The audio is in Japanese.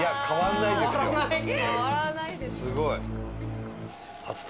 すごい。